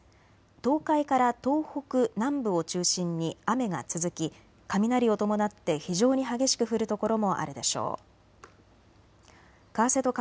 東海から東北南部を中心に雨が続き、雷を伴って非常に激しく降る所もあるでしょう。